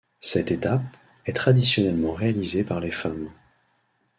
Cette étape est traditionnellement réalisée par les femmes.